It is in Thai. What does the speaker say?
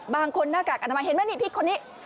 หน้ากากอนามัยเห็นไหมนี่พี่คนนี้